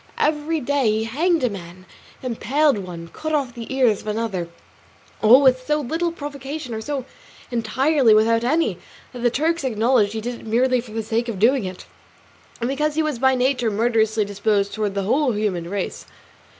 Every day he hanged a man, impaled one, cut off the ears of another; and all with so little provocation, or so entirely without any, that the Turks acknowledged he did it merely for the sake of doing it, and because he was by nature murderously disposed towards the whole human race.